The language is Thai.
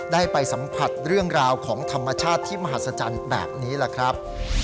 ได้ไปสัมผัสเรื่องราวของธรรมชาติที่มหัศจรรย์แบบนี้แหละครับ